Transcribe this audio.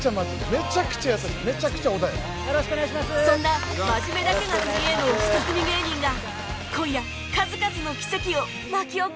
そんな真面目だけが取りえの下積み芸人が今夜数々の奇跡を巻き起こす